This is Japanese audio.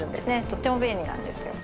とっても便利なんですよ。